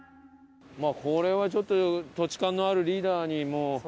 まあこれはちょっと土地勘のあるリーダーにもう。